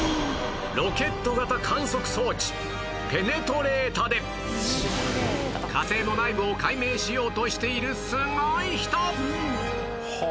ロケット型観測装置ペネトレータで火星の内部を解明しようとしているすごい人！